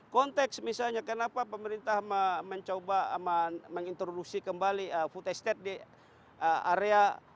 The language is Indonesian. konteks misalnya kenapa pemerintah mencoba aman menginterlusi kembali aftestate di area